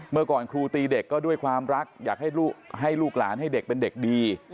เมื่อก่อนครูตีเด็กก็ด้วยความรักอยากให้ลูกหลานให้เด็กเป็นเด็กดี